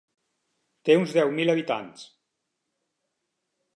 Té uns deu mil habitants.